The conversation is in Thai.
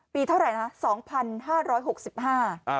ปีเท่าไหร่นะ๒๕๖๕